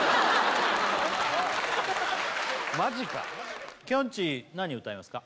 マジかきょんちぃ何歌いますか？